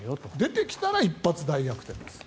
出てきたら一発大逆転です。